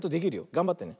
がんばってね。